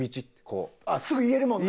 あっすぐ言えるもんね。